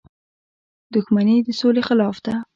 • دښمني د سولې خلاف ده.